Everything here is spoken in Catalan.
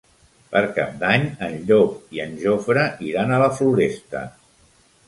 Per Cap d'Any en Llop i en Jofre iran a la Floresta.